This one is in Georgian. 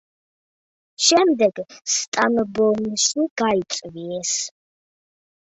შემდეგ სტამბოლში გაიწვიეს.